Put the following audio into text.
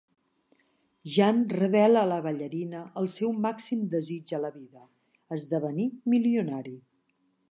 Jan revela a la ballarina el seu màxim desig a la vida: esdevenir milionari.